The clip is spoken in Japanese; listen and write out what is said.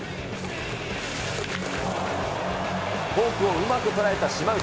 フォークをうまく捉えた島内。